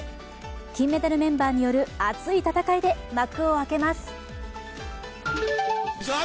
金メダルメンバーによる熱い戦いで幕を開けます。